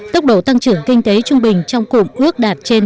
tốc độ tăng trưởng kinh tế trung bình trong cụm ước đạt trên